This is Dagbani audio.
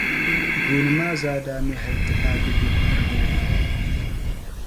gooni maa zaa daa me hal ti paai di dubu pirigili.